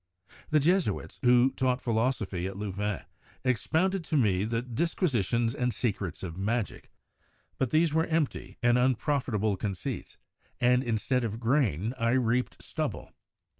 The Jesuits, who then taught philosophy at Louvain, expounded to me the disquisitions and secrets of magic, but these were empty PERIOD OF MEDICAL MYSTICISM 69 and unprofitable conceits; and instead of grain, I reaped stubble.